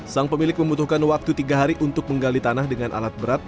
sang pemilik membutuhkan waktu tiga hari untuk menggali tanah dengan alat berat